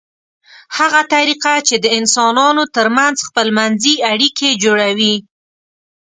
هغه طریقه چې د انسانانو ترمنځ خپلمنځي اړیکې جوړوي